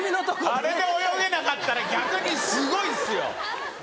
あれで泳げなかったら逆にすごいですよ。